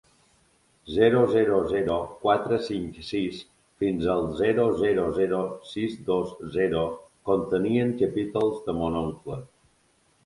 Zero zero zero quatre cinc sis fins al zero zero zero sis dos zero contenien capítols de Mon oncle.